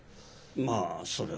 まあそれは。